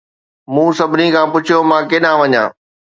مون سڀني کان پڇيو، "مان ڪيڏانهن وڃان؟"